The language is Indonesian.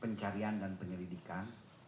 pencarian dan penyelidikan